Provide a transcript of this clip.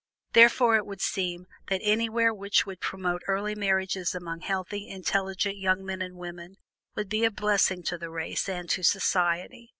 Therefore, it would seem that anything which would promote early marriages among healthy, intelligent young men and women would be a blessing to the race and to society.